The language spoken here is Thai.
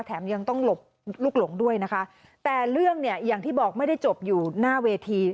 ยังต้องหลบลูกหลงด้วยนะคะแต่เรื่องเนี่ยอย่างที่บอกไม่ได้จบอยู่หน้าเวที